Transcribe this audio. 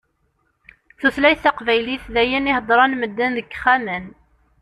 Tutlayt taqbaylit d ayen i heddṛen medden deg ixxamen.